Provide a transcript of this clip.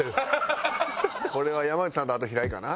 これは山内さんとあと平井かな？